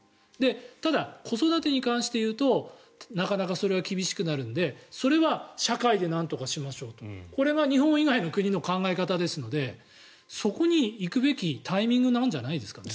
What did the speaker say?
ただ、子育てに関して言うとなかなかそれは厳しくなるのでそれは社会でなんとかしましょうとこれが日本以外の国の考え方ですのでそこに行くべきタイミングなんじゃないですか。